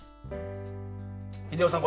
秀雄さん